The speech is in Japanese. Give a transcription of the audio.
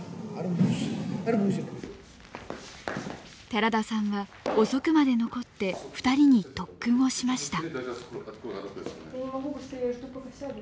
寺田さんは遅くまで残って２人に特訓をしました。